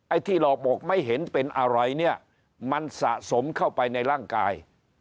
ที่หลอกบอกไม่เห็นเป็นอะไรเนี่ยมันสะสมเข้าไปในร่างกาย